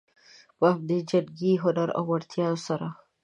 په همدې جنګي هنر او وړتیا سره.